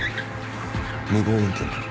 無謀運転で。